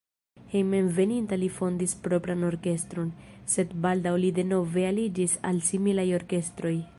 Hejmenveninta li fondis propran orkestron, sed baldaŭ li denove aliĝis al similaj orkestroj.